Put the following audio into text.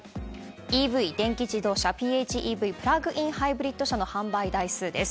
ＥＶ・電気自動車、ＰＨＥＶ・プラグインハイブリッド車の販売台数です。